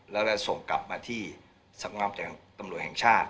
แล้วได้ส่งกลับมาที่สำงามตำรวจแห่งชาติ